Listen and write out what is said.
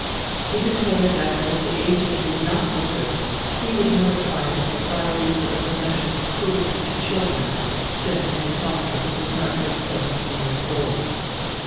He declared that if the agent did not desist, he would notify the Society for the Prevention of Cruelty to Children, since Miss Hahlström was not yet seventeen years old.